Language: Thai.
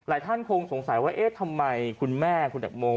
ท่านคงสงสัยว่าเอ๊ะทำไมคุณแม่คุณตังโม